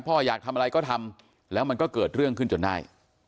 พ่ออยากทำอะไรก็ทำแล้วมันก็เกิดเรื่องขึ้นจนได้